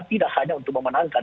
tidak hanya untuk memenangkan